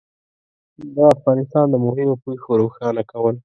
د افغانستان د مهمو پېښو روښانه کول